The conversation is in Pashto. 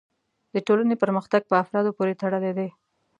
د ټولنې پرمختګ په افرادو پورې تړلی دی.